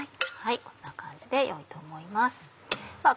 こんな感じで良いと思います。